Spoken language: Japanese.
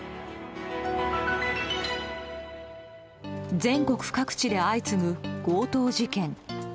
全国各地で相次ぐ強盗事件。